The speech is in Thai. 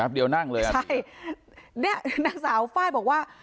เดียวนั่งเลยอ่ะใช่เนี่ยนางสาวไฟล์บอกว่า